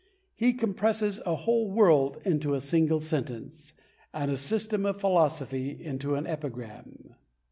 He compresses a whole world into a single sentence, and a system of philosophy into an epigram.